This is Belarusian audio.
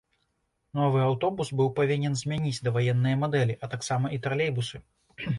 Новы аўтобус быў павінен змяніць даваенныя мадэлі, а таксама і тралейбусы.